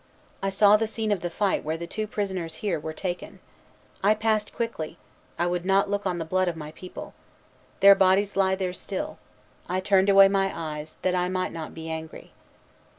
I saw the scene of the fight where the two prisoners here were taken. I passed quickly; I would not look on the blood of my people. Their bodies lie there still; I turned away my eyes, that I might not be angry."